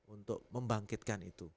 untuk membangkitkan itu